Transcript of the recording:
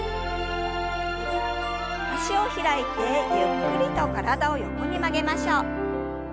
脚を開いてゆっくりと体を横に曲げましょう。